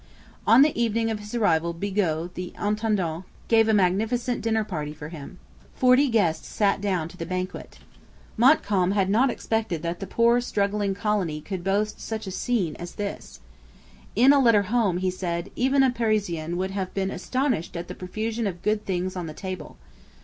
On the evening of his arrival Bigot the intendant gave a magnificent dinner party for him. Forty guests sat down to the banquet. Montcalm had not expected that the poor struggling colony could boast such a scene as this. In a letter home he said: 'Even a Parisian would have been astonished at the profusion of good things on the table.